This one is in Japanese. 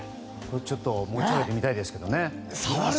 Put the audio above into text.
ちょっと持ち上げてみたいですけどね。